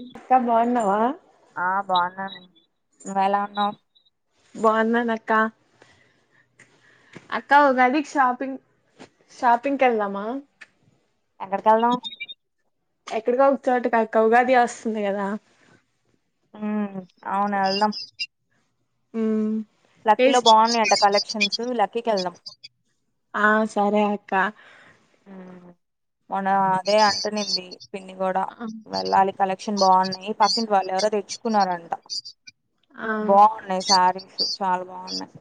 ఇంకా బాగున్నావా ఆ బాగున్నాను నువ్వు ఎలా ఉన్నావు బాగున్నాను అక్క అక్కా ఉగాది క్ షాపింగ్ షాపింగ్ కి వెళ్దమా ఎక్కడికి వెళ్దాం ఎక్కడికో ఒక చోటికీ అక్క ఉగాది వస్తుంది కదా ఉ అవున వెళ్దాం ఉ లక్కీలో ఎస్ట్ బాగున్నాయంట కలెక్షన్స్ లక్కీకి వెళ్దాం ఆ సరే అక్ క్కా ఉమ్, మొన్న అదే అంట నింది పిన్ని కూడా ఆ వెళ్ళాలి కలెక్షన్ బాగున్నాయి పక్కింటి వాళ్ళు ఎవరో తెచ్ తెచ్చుకున్నారంట ఆ బాగున్నాయి శారీస్ చాలా బాగున్నాయి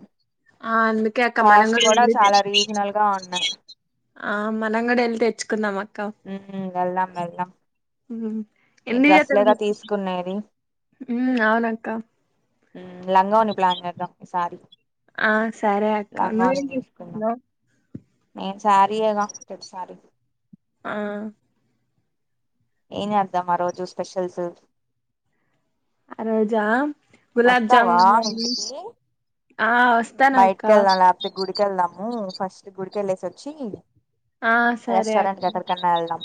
ఆ అందుకే అక్క మనం కాస్ట్ గూడా కూడా వెళ్ళి చాలా తెచ్ రీజనల్ గా ఉన్నాయి ఆ మనం కూడా వెళ్ళి తెచ్చుకుందాం అక్ ఉమ్ హు వెళ్దాం వెళ్దాం ఉమ్ మీ ఎన్ని జతల డ్రెస్లేగా తీస్ తీసుకునేది ఉమ్ అవునక్క ఉమ్ లంగా ఓని ప్లాన్ చేదాం ఈసారీ ఆ సరే అక్క నువ్ ఏమి తీసుకుందాం తీసుకునావ్ నేను సారీ యే గా ప్రతిసారీ ఆ ఏం చేద్దాం ఆ రోజు స్పెషల్స్ అ రోజా గులాబ్ వస్తావా జామున్ గాని ఇంటికి ఆ వస్తానక్క బయటకి వెళ్దాం లేకపోతే గుడికెళ్దాము ఫస్ట్ గుడికేళ్ళేసి వచ్చి ఆ సరే అక్ రెస్టారెంట్ కి ఎక్కడికన్నా వెళ్దాం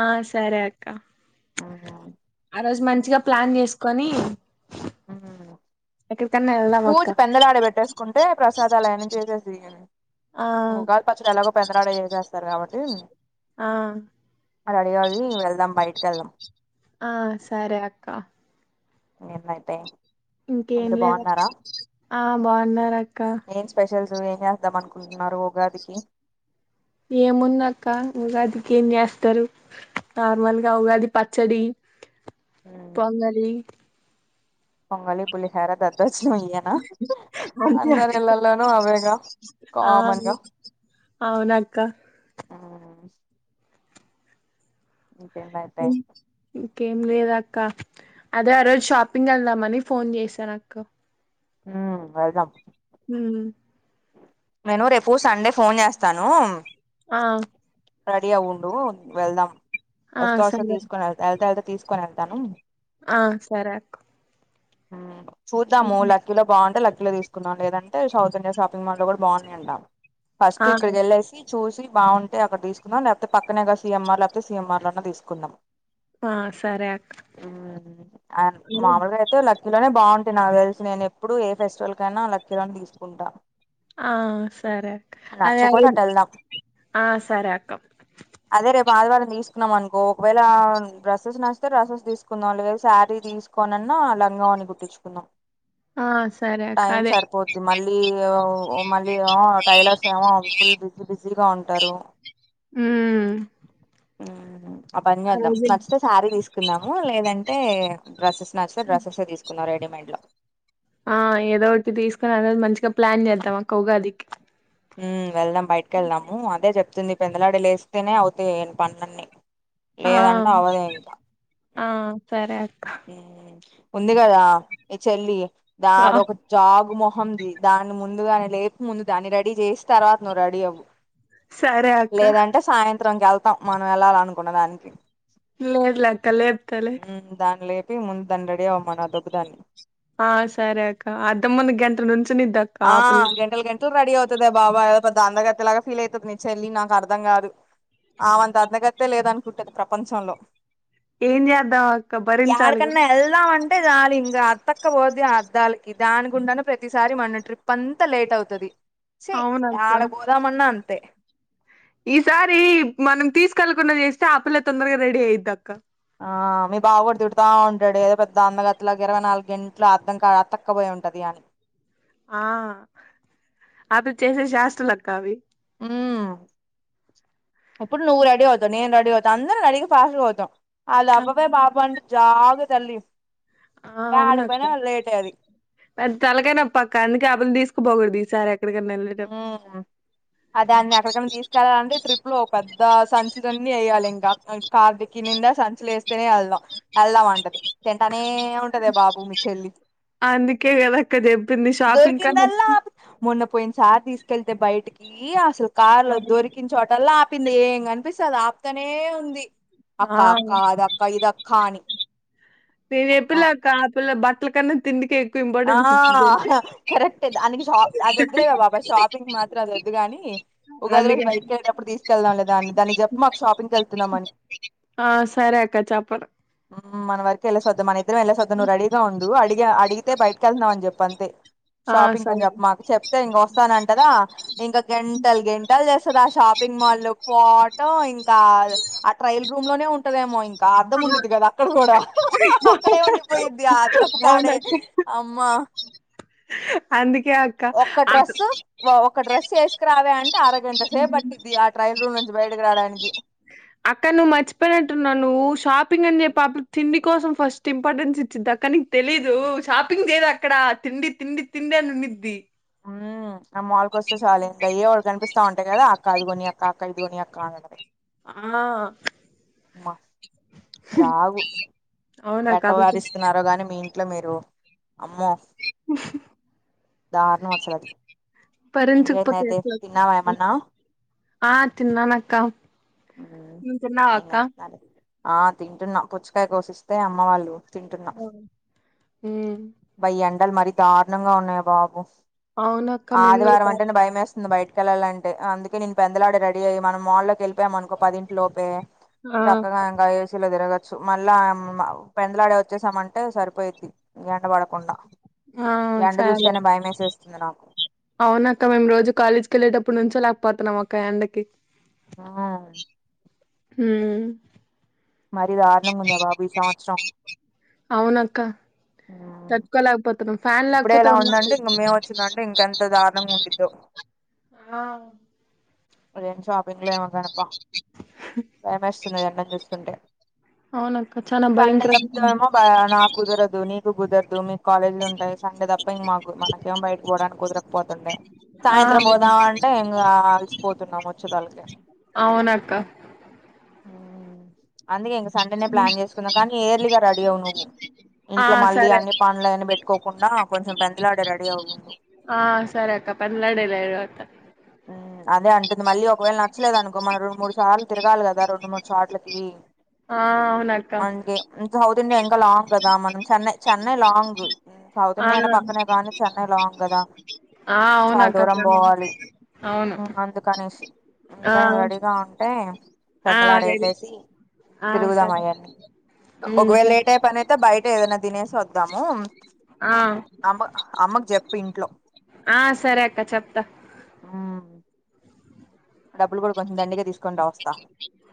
ఆ సరే అక్క ఉమ్, ఆ రోజు మంచిగా ప్లాన్ చేసుకొని ఉమ్ ఎక్కడికన్నా వెళ్దాం పూజ అక్క పెందలాడ పెట్టేసుకుంటే ప్రసాదాలాయని చేసేస్ దీ ఆ ఉగాది పచ్చడి ఎలాగో పెందలాడే చేసేస్తారు కాబట్టి ఆ అది అడిగది [unintelligible] ఆ సరే అక్క ఇంకేం అయితే ఇంకేం లేదు అక్ ఆ బాన్నారు అక్క జు ఏం చేద్దాం అనుకుంటున్నారు ఉగాదికి ఏముందాక్క ఉగాదికి ఏమి చేేస్తారు నార్మల్గా ఉగాది పచ్చడి పొంగళి పొంగళి పులి హార దద్దోజ్ నం ఇయ్యనా అంతే అందరి అక్క. ఇళ్లలోనూ అవేగా కామన్ గా అవునాక్క ఉమ్ ఇకంరా అయితే ఇంకేం లేదక్క అదే ఆ రోజు షాపింగ్ వెళ్దామని ఫోన్ చేసానక్క ఉమ్ వెళ్దాం ఉమ్ నేను రేపు సండే ఫోన్ చేస్తాను ఆ రెడీ అవుండు వెళ్దాం ఆ వస్తూ వస్తా సరే తీసుకొని వెళ్తా వెళ్తా వెళ్తే తీసుకొని వెళ్తాను ఆ సరే అక్క ఉమ్ చూద్దాము లక్కీలో బాగుంటే లక్కిలో తీసుకుందాం లేదంటే సౌత్ ఇండియా షాపింగ్ తిమర్లో కూడా బా ఉన్నాయంట ఫస్ట్ ఆ ఇక్కడికేలేసి చూసి బాగున్టె ఉంటే ఒకటి తీసుకుందాం లేకపోతే పక్కనేగా సిఎంఆర్ లేకపోతే సిఎంఆర్ లోనే తీసుకుందాం ఆ సరే అక్క ఉమ్ ఆ మామలుగా అయితే లక్కీలోనే బాగుంటా అంటే నాకు తెలుసి నేను ఎప్పుడు ఏ ఫెస్టివల్ కైనా లక్కిలోని తీసుకుంటా ఆ సరే అక్క అదే నచ్చకపోతే అటు వెళ్దాం [unintelligible] ఆ సరే అక్క వాదివారం తీసుకున్నాం అనుకో ఒకవేళ డ్రెస్సెస్ నచ్చుతే డ్రస్సెస్ తీసుకుందాం లేదు శారీ తీసుకోని అనట్ నా లంగా అని కుట్టించుకుందాం ఆ సరే అక్క టైం అదే సరిపోద్ది మళ్ళీ య్యో మళ్ళీ ఏమో టైలర్స్ ఆ ఏమో ఫుల్ బిజీ బిజీగా ఉంటారు ఉమ్ అ పని ఆ చెద్దాం రోజు నచ్చితే శారీ తీసుకున్నాము లేదంటే అంటే డ్రస్సెస్ నచ్చితే డ్రస్సెస్ తీసుకున్నమ్ రెడీమేడ్ లో ఆ ఏదో ఒకటి తీసుకొని అనేది మంచిగా ప్లాన్ చేద్దాంక్క ఉగాదికి ఉమ్ వెళ్దాం బయటకి వెళ్దాము అదే చెప్తుంది పెందలాడి లేస్తేనే అవుతాయి పనులన్ని ఆ ఆ సరే అ ఉంది కదా ఈ చెల్లి ఆ దాదొ ఒక జాగు మొహ హంది దాని ముందుగాని లేపు ముందు దాన్ని రెడీ చేసి తర్వాత నువ్వు రెడీ అవ్వు సరే అక్క త్రంకి వెళ్తాం మనం వెళ్ళాల అనుకున్న దానికి లెద్లెక్క లేప్తాలే ఉమ్ లేపి ముందు దాన్ని రెడీ అవ్వమాను ఆ దొబ్బదాన్ని ఆ సరే అక్క అంతముందు గంట నుంచునుదాక్క అక్కపిల్ల అదే బాబా ఏదో పెద్ద అందగతిలాగా ఫీల్ అవుతుంది నను చెల్లి నాకు అర్థం కాదు ఆవంత అందగత్తే లేదనుకుంటది ప్రపంచంలో ఏన్ జధా యాడకన్నా వెళ్దాం అంటే రాలిం ఇ అతక్కపోద్ది ఆ అద్దాలకి దాని గుండాను ప్రతిసారి మన ట్రిప్ అంతా లేట్ అవుతుది ఛి ఆడ అవునక్క యాడపోదామన్నా అంతే ఈసారి మనం తీసుకెళ్ళకున్నది చేస్తే ఆపిల్లే తొందరగా రెడ అయ్యదిక్క ఆ మీ బావ కూడా తిగుతా ఉంటాడు ఏదో పెద్ద అందగాటతేలాగా ఇరవైనాలుగు గంటలు అదం కాడ అతక్కు పోయి ఉంటది. కా ఆ అటు చేసే శాస్టలక్క అవి అప్పుడు నువ్వు రడీ అవుతావు నేను రెడీ అవుత అందరం రెడీగ ఫాస్ట్ గ అవుతాం అద ఆపవే బాబు అంటే జాద తల్లి ఆ అవున యాడికి పోయినా అక్క లేటే అది అది తలకనపక్క అందుకే ఆబలు తీసుకుపోకూడదు ఈసారి ఎక్కడికన్నా ఆ వెళ్ళేటప్పుడు అదే అన్ని ఎక్కడికన్నా తీసుకెళ్లాలంటే ట్రిప్ లో ఒక పెద్ద సంచులన్నీ ఎయ్యాలి ఇంకా కార్తికి నిండా సంచులే ఎస్తేనే ఎళ్దాం ఎళ్దాం అంటది తింటేనే ఉంటదే బాబు మీ చెల్లి అందుకే గదక్క చెప్పింది షాపింగ్ కన్నా షాపింగ్ కెళ్తే బయటికి అసలు కార్ లో దొరికి చోటల్లా అప్ ఆపింది ఏం కనిపిస్తే అది ఆప్తనే ఉంది అక్క ఆ అక్క అదక్క ఇదక్క అని నే అమ్మా పిల్ల కా పల్ల బట్టల కన్నా తిండి కే అక్ ఆ కరెక్ట్ దనకి షాప్ అది వద్దులేవే బాబా షాపింగ్ మాత్రం అది ఒద్దు గాని ఉగాది వరకు అందుకే బైటికెళ్ళేటప్పుడు తీసుకెళ్దాం లే గాని దాన్ని దానికి మాకు షాపింగ్కి వెళ్తున్నామని ఆ సరే అక్క చెప్పను ఎల్లేసోద్దం మన ఇద్దంఎల్లేసోద్దంనువు రెడీ గ ఉండు అడిడిగితే బయటకి వెళ్తున్నావుని చెప్ప అంతే ఆ షాపింగ్ అని సరే చెప్ప మాకు చెప్తే ఇంగ వస్తానంటదా ఇంకా గంటలు గంటలు చేస్తదా షాపింగ్ షాపింగ్ మాల్ పోట ఇంకా ఆ ట్రయల్ రూమ్ లోనే ఉంటదేమో ఇంకా అద్ధం ఉండిద్ది గదా అక్కడ కూడా అక్కడే ఉండిపోయిద్ది అద్దం కాడే అమ్మ అందు ఒకక్క డ్రెస్ ఒక డ్రెస్ ఎసుకురావే అంటే అరగంట సేప్ బట్టింది ఇది ఆ ట్రయల్ రూమ్ నుంచి చాబాయటకు రావడానికి అక్క ను మర్చిపోనంటవ్ నువ్వు షాప్ షాపింగ్ అని చెప్ప తిడి కోసం ఫస్ట్ ఇంపార్టెన్స్ ఇచ్చింది అక్క నీకు తెలీదు షాపింగ్ చేయదు అక్కడ తిండి తిండి తిండి నుండింది మ్ మాల్కి వస్త చాలు ఇంకా వాళ్ళ కనిపిస్తా ఉంటయి కదా అక్క అదిగొని అక్క అక్క ఇదిగొని అక్క కా అన్న మా చావు అవునక్క అప్పుడు ఎట్టవారిస్తున్నారో గాని మీ ఇట్ల మీరు అమ్మో దారుణం అసలది భరించకపోతే ఎట్లా చెప్పు ఆ తిన్నానక్క ఉమ్ నువ్వు తిన్నవా ఏం అక్క చేస్తున్నారు ఆ తింటున్నా పుచ్చకాయ కోసిస్తే అమ్మ వాళ్ళు తింటున్న ఆ ఉమ్. అబ ఈ ఎండలు మరి దారుణంగా ఉన్నాయి బాబు అవున అక్క మేమ్ ఉ కూడా కాదు అంటేనె భయం మేసు బయటకి వెళ్ళాలంటే అందుకే నేను పెందలాడే రెడీ అయ్యి మనం మాల్ లొకి వెళ్ళిపోయామనుకో పది ఇంట్ లోపే ఆ చక్కగా ఇంగ ఏసీ లో తిరగచ్ సు మళ్ళా మ పెందలాడే వచ్చేసామంటే సరిపోయిది ఇగ ఎండ పడకుండా ఆ ఎండ సరే చూస్తేనే భయం వేసేస్తుంది నాకు అవునక్ ఇంకా మేము రోజు కాలేజ్ కి వెళ్ళలేటప్పుడు నుంచో లేకపోతున్నాం అక్క ఎండకి ఆవును ఊ మరి దారణం గుందే బాబు ఈ సంవత్సరం తటుకోలేకపో ఫ్యాన్ ఇప్పుడే లేకపోతె ఇలా ఉందంటే ఉండలేక పోతున్నాము ఇంక మేము వచ్చిందంటే ఇంకెంత దారుణంగా ఉండిద్దో ఆ ఇగేమ్ షాపింగ్ లో ఏమో గనబ్బ భయమేస్తుంది ఎండను చూస్తుంటే అవునక్క చానా సండే భయంకరంగా తప్తనేమో నా కుదరదు నీకు కుదరదు మీ కాలేజీ లున్ అంటే సండే తప్ప ఇంక మాకు మనకేమో బయట పోవడానికి కుదరకపోతుండే ఆ సాయంత్రం పోదాం అంటే ఇంకా అలసిపోతున్నం వచ్చెదలకి నక్క అందుకే ఇంక సండేనే ప్లాన్ చేసుకుందాం కానీ ఎయిర్లీగా రెడీ అవ్ నువ్వు ఆ ఇంట్ల మళ్ళీ సరే అన్ని పనుడ్లయిని పెట్ ఆ సరే అక్క పెందలాడే లేవు అక్క ఊ అదే అంటుంది మళ్ళీ ఒకవేళ నచ్చలేదు అనుకో మన రెండు మూడు సార్లు తిరగాలి కదా రెండు మూడు సార్ట్లకి ఆ అవునక్క అందుకే ఇంకా సౌత్ ఇండియా ఇంకా లాంగ్ కదా మనం చెన్నై చెన్నై లాంగ్ సౌత్ ఆ ఇండియానే పక్కనే గానీ చెన్నై లాంగ్ కదా ఆ చాలా అవునక్క దూరం చానా పోవాలి అవును ఊ అందుకనేసి ఆ అందుకని నువ్ రెడీగా ఉంటే ఆ పెందలాడే రెడీ లేసి ఆ సరే ఉమ్ ఒకవేళ సరే లేటైపనయితే బయట్ ఏదనా తినేసి వద్దాము ఆ అమ్మ అమ్మకు చెప్పు ఇంట్లో ఆ సరే అక్క చెప్తా ఊ డబ్బులు కూడా కొంచెం దండిగా తీసుకొనిరా వస్తా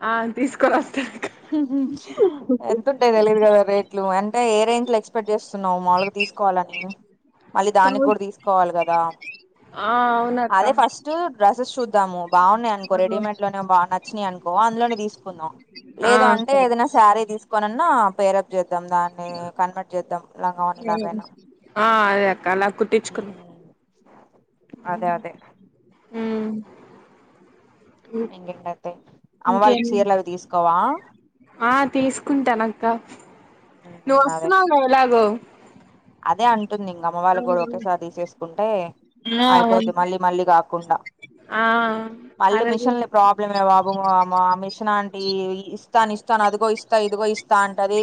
ఆ తీసుకొని వస్తా అక్క ఎంతుంటయ్ తెలియదు కదా రేట్లు అంటే ఏ రేంజ్ లో ఎక్స్పెక్ట్ చేస్తున్నావు మాములుగా తీసుకొ కోవాలని మళ్ళీ దాన్ని కూడా తీసుకోవాలి కదా ఆ అవునక్క అదే ఫస్ట్ డ్రెస్సెస్ చూ బాగున్నాయి అనుకో రెడీమేడ్ లోనే బా నచ్చినాయి అనుకో అందులోనే తీసుకుందాం ఆ లేదు అంటే సరే ఏదైనా శారీ తీసుకోనన్నా పేరప్ చేస్ ద్దాం దాన్ని కన్వర్ట్ చేద్దాం లంగావోనిలాగైనా ఆ అదే అక్క అలా ఊ కుట్టించుకున్నా అదే అదే ఊ ఇంకేంటతే అమ్మ వాళ్ళకి చీరలు అవి తీసుకోవా ఆ తీసుకుంటాన అక్క నువ్వు ఉమ్ అదే వస్తున్నావుగా ఎలాగో ఉంటుంది ఇంకమ్మ వాళ్ళ కూడా ఒకేసారి తీసేసుకుంటే ఆ అయిపోద్ది మళ్ళీ మళ్ళీ కాకుండా ఆ మళ్ళీ అరదు మిషన్ ప్రాబ్లమ బాబు మిషన్ అంట ఈ ఇస్తాను ఇస్తాను అదిగో ఇస్తా ఇదిగో ఇస్తా అంటది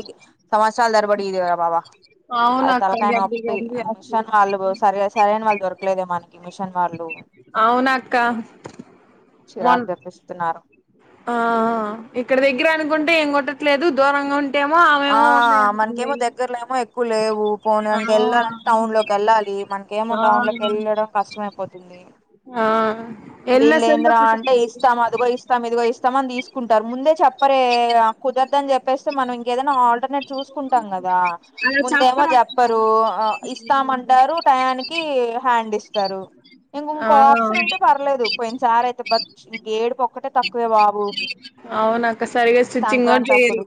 సమాస్తరాల దరబడిదేవరా బాబా అది అవునక్క గర్ది తలకాయనొప్పి గర్ది వస్తది మిషన్ వాళ్ళు సరి సరైన వాళ్ళు దొరకలేదే మనకి మిషన్ వాళ్ళు అవునక్క మొన్ చిరాకు తెపిిస్తున్నారు ఆ ఇక్కడ దగ్గర అనుకుంటే ఏం కొట్టట్లేదు దూరంగా ఉంటే ఆ మనకేమో దగ్గరలో ఏమో ఎక్కువ లేవు ఆ పోన్ంక వెళ్ళాలంటే టౌన్ లోకి వెళ్ళాలి మనకేమో ఆ టౌన్ లోకి వెళ్ళడం కష్టమయిపోతుంది ఆ ఎల్లసలు వీళ్ళేంద్రా అంటే ఇస్తాం అదిగో ఇస్తాం ఇదిగో ఇస్తాం మని తీసుకుంటారు ముందే చెప్పరే కుదరదు అని చెప్పేస్తే మనం ఇంకేదైనా ఆల్టర్నేట్ చూసుకుంటాం కదా అలా ముందేమో చెప్పరక్క చెప్పరు ఇస్తామంటారు టయానికి హండ్ ఇస్త ఇం ఇం ఆ ఆప్షన్ ఉంటే పర్లేదు పోయిన సార్ అయితే బ ఇంక ఏడుపొక్కటే తక్కువే బాబు నాకు సరిగా స్టిచ్చింగ్ న్ సంక్రాంతి చెయరు అప్పుడు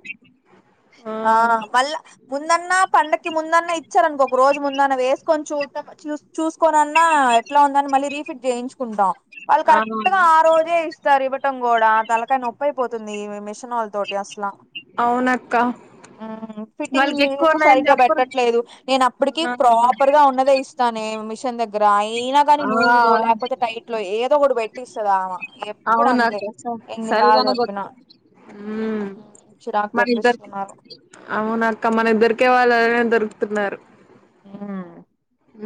ఆ మళ్ళ ముందన్నా పండకి ముందన్నా ఇచ్చారనుకో ఒక రోజు ముందన్న వేసుకొని చూట చూ చూసుకోనిన్నా ఎట్లా ఉందని మళ్ళీ రీఫిట్ చేయించు కుంటాం వాళ్ళు కరెక్ట్ గా ఆ రోజే ఇస్తారు ఇవ్వటం కూడా తలకాయినొప్పయిపోతుంది మ ళ తోటి అసలా క్క ఫిట్టింగ్ సరిగ్గా చెప్పరు పెట్టట్లేదు నేను అప్పటికి ప్రాపర్ గా ఉన్నదే ఇస్తాను దగ్గర అయినా కాగానీ ఆ లుజ్లు లో ంత టైట్ లో ఏదో ఒక పెట్టిస్తుదా ఆమ ఎప్పుడు అంతే అవునక్క స ఎన్నిసార్లు సరిగానే చెప్పినా కొట్టరు ఉమ్, చిరాకు మన ఇద్దరి తెప్పిస్తున్నారు అవున అక్క మన ఇద్దరికే వాళ్ళ దొరుగుతున్నారు ఆ ఉ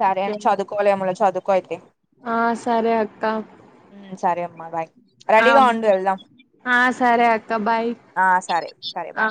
సరే అం చదువుకోవిమన్నా చదువుకో అయితే ఆ సరే అక్క ఉమ్, సరే అమ్మా బయ్ ఆ రెడీగా ఉండు ఎల్దాం ఆ సరే అక్క బాయ్ సరే సరే ఆ బాయ్